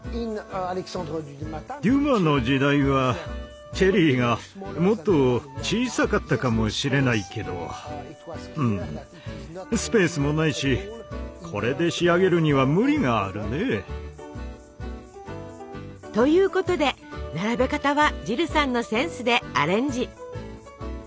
デュマの時代はチェリーがもっと小さかったかもしれないけどスペースもないしこれで仕上げるには無理があるね。ということで並べ方はジルさんのセンスでアレンジ。